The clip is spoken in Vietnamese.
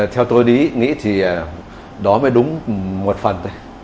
theo tôi nghĩ thì đó mới đúng một phần